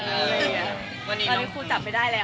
ตอนนี้ครูจับไม่ได้แล้ว